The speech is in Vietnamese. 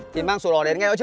để mang sổ đỏ đến nghe đó chưa